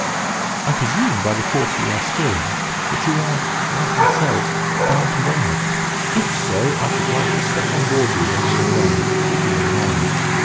I presume, by the course you are steering, that you are, like ourselves, bound to Weymouth. If so, I should like to step on board you when we arrive, if you will allow me.